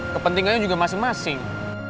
kepentingannya juga masing masing